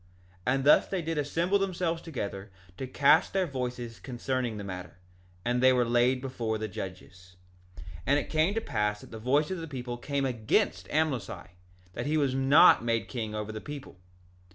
2:6 And thus they did assemble themselves together to cast in their voices concerning the matter; and they were laid before the judges. 2:7 And it came to pass that the voice of the people came against Amlici, that he was not made king over the people.